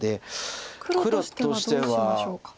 黒としてはどうしましょうか。